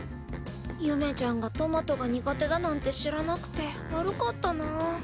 ゆめちゃんがトマト苦手だなんて知らなくて悪かったなぁ